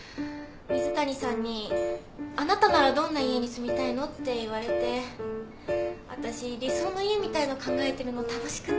水谷さんに「あなたならどんな家に住みたいの？」って言われて私理想の家みたいの考えてるの楽しくて。